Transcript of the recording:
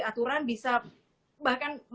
aturan bisa bahkan